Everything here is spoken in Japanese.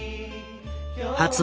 」発売